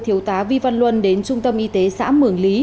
thiếu tá vi văn luân đến trung tâm y tế xã mường lý